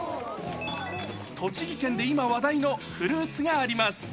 栃木県で今話題のフルーツがあります。